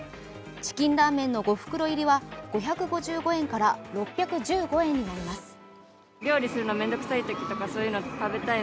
チキンラーメンの５袋入りは５５５円から６１５円になります。